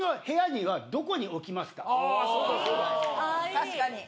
確かに！